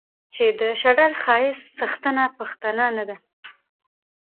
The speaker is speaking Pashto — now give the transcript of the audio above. چې د شډل ښايست څښتنه پښتنه نه ده